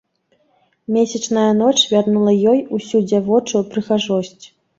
Месячная ноч вярнула ёй усю дзявочую прыгажосць.